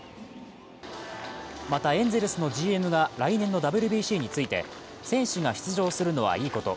また、エンゼルスのＧＭが来年のＷＢＣについて選手が出場するのはいいこと。